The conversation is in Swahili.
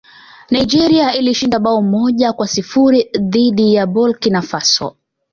nigeria ilishinda bao moja kwa sifuri dhidi ya burki na faso